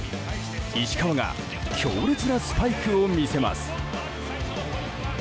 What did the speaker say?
石川が強烈なスパイクを見せます。